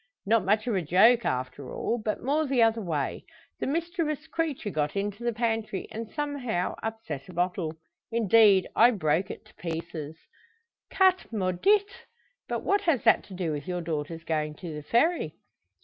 "Not much of a joke, after all; but more the other way. The mischievous creature got into the pantry, and somehow upset a bottle indeed, broke it to pieces." "Chat maudit! But what has that to do with your daughter's going to the Ferry?"